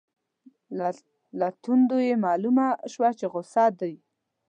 له تندو یې مالومه شوه چې غصه دي.